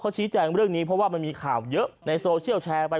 ชี้แจงเรื่องนี้เพราะว่ามันมีข่าวเยอะในโซเชียลแชร์ไป